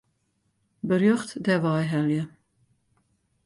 Berjocht dêrwei helje.